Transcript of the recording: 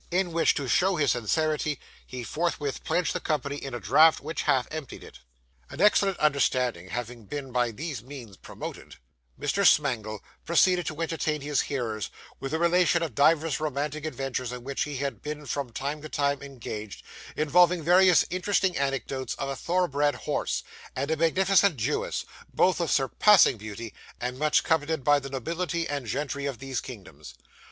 In which, to show his sincerity, he forthwith pledged the company in a draught which half emptied it. An excellent understanding having been by these means promoted, Mr. Smangle proceeded to entertain his hearers with a relation of divers romantic adventures in which he had been from time to time engaged, involving various interesting anecdotes of a thoroughbred horse, and a magnificent Jewess, both of surpassing beauty, and much coveted by the nobility and gentry of these kingdoms.